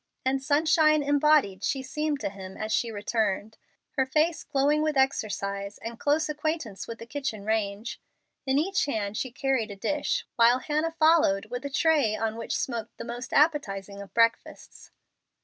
And sunshine embodied she seemed to him as she returned, her face glowing with exercise and close acquaintance with the kitchen range. In each hand she carried a dish, while Hannah followed with a tray on which smoked the most appetizing of breakfasts.